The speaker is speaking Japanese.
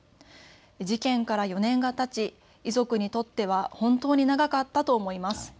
事件から４年がたち、遺族にとっては本当に長かったと思います。